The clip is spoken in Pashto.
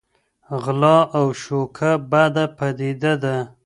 غلا او شوکه بده پدیده ده.